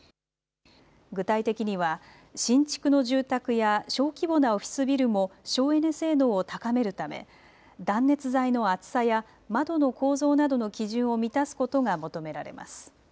具体的には新築の住宅や小規模なオフィスビルも省エネ性能を高めるため断熱材の厚さや窓の構造などの基準を満たすことが求められます。